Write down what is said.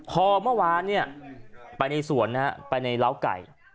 พอเมื่อวานไปในสวนไปในร้าวไก่